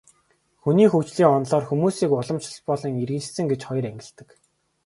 Хүний хөгжлийн онолоор хүмүүсийг уламжлалт болон иргэншсэн гэж хоёр ангилдаг.